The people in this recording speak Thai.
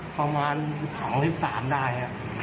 ก็ประมาณ๒๓ได้